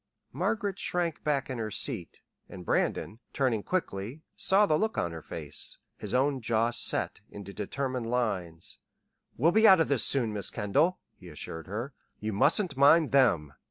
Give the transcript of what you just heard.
Margaret shrank back in her seat, and Brandon, turning quickly, saw the look on her face. His own jaw set into determined lines. "We'll be out of this soon, Miss Kendall," he assured her. "You mustn't mind them.